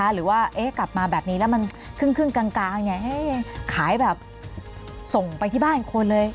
หรือว่ากลับมาแบบนี้แล้วมันครึ่งกลางให้ขายแบบส่งไปที่บ้านคนเลย